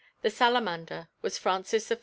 1 The salamander was Francis I.